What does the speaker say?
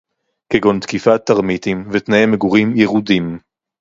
כגון תקיפת טרמיטים ותנאי מגורים ירודים